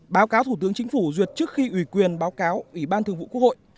báo cáo thủ tướng chính phủ duyệt trước khi ủy quyền báo cáo ủy ban thường vụ quốc hội